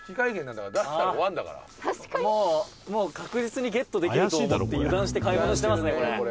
「もう確実にゲットできると思って油断して買い物してますねこれ」